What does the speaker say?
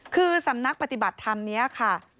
คือสำนักปฏิบัติธรรมนี้ค่ะ